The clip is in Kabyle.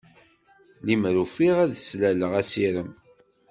Limer ufiɣ ad d-slaleɣ asirem.